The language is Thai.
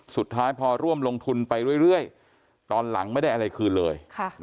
สุดท้ายพอร่วมลงทุนไปเรื่อยตอนหลังไม่ได้อะไรคืนเลย